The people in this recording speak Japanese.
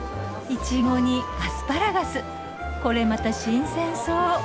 イチゴにアスパラガスこれまた新鮮そう。